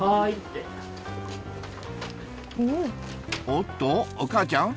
おっとお母ちゃん